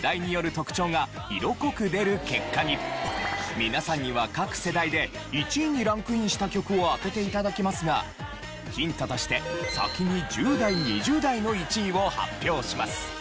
これまた皆さんには各世代で１位にランクインした曲を当てて頂きますがヒントとして先に１０代２０代の１位を発表します。